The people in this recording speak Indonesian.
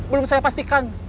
belum saya pastikan